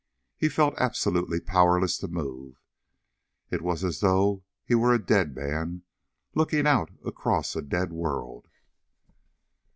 He felt absolutely powerless to move. It was as though he were a dead man looking out across a dead world.